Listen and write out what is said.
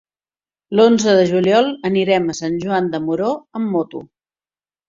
L'onze de juliol anirem a Sant Joan de Moró amb moto.